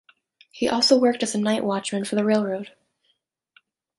He also worked as a night watchman for the railroad.